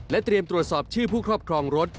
เตรียมตรวจสอบชื่อผู้ครอบครองรถ